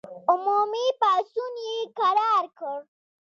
عمومي پاڅون یې کرار کړ.